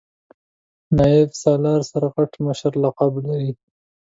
نایب سالار سرغټ مشر لقب لري.